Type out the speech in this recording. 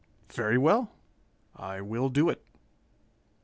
"Very well, I will do it!"